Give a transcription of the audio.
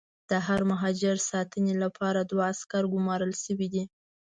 د هر مهاجر ساتنې لپاره دوه عسکر ګومارل شوي دي.